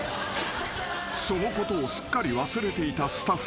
［そのことをすっかり忘れていたスタッフ］